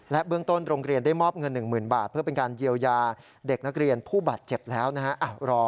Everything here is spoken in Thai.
เบื้องต้นโรงเรียนได้มอบเงิน๑๐๐๐บาทเพื่อเป็นการเยียวยาเด็กนักเรียนผู้บาดเจ็บแล้วนะฮะ